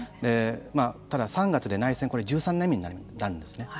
ただ、３月で内戦１３年目になるんですね。